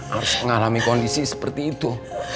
harus mengalami kondisi seperti itu